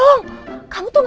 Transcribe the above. tunggu pueblo sudah lancar